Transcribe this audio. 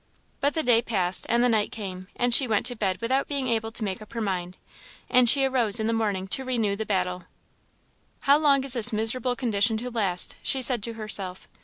But the day passed, and the night came, and she went to bed without being able to make up her mind, and she arose in the morning to renew the battle. "How long is this miserable condition to last?" she said to herself.